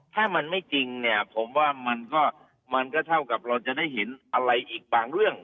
ถ้ามันไม่จริงเนี่ยผมว่ามันก็มันก็เท่ากับเราจะได้เห็นอะไรอีกบางเรื่อง